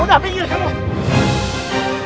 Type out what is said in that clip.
udah pinggir kamu